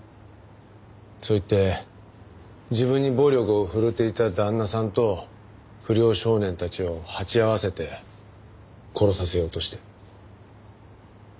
そう言って自分に暴力を振るっていた旦那さんと不良少年たちを鉢合わせて殺させようとして。